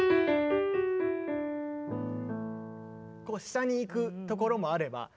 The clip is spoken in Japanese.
こう下にいくところもあれば。